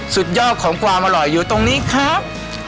สุดยอดของความอร่อยอยู่ตรงนี้ครับ